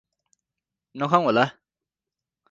नखाउँ होला!